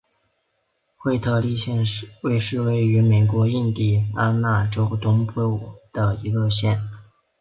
惠特利县是位于美国印第安纳州东北部的一个县。